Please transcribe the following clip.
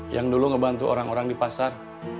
yang dulu ngebantu orang orang di pasar